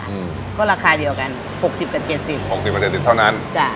อืมก็ราคาเดียวกันหกสิบกับเจ็ดสิบหกสิบเจ็ดสิบเท่านั้นจ้ะ